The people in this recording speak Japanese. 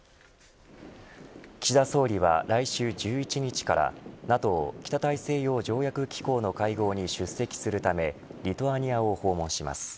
岸田総理は、来週１１日からＮＡＴＯ北大西洋条約機構の会合に出席するためリトアニアを訪問します。